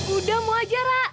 udah mau aja ra